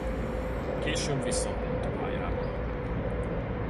Később visszavonult a pályáról.